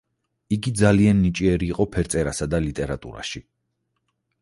იგი ძალიან ნიჭიერი იყო ფერწერასა და ლიტერატურაში.